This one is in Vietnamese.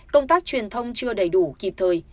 công tác truyền thông chưa đầy đủ kịp thời